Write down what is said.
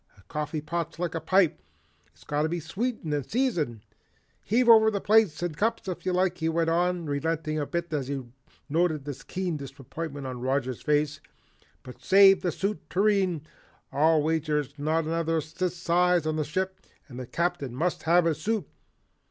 "A coffee pot's like a pipe, it's got to be sweetened and seasoned. Heave over the plates and cups if you like," he went on, relenting a bit as he noted the keen disappointment on Roger's face, "but save the soup tureen. I'll wager there's not another that size on the ship and the Captain must have his soup.